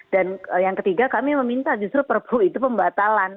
dan yang ketiga kami meminta justru perpu itu pembatalan